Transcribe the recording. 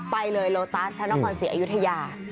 ไปเลยโลตัสท่านน้องขอนจิตอายุทยา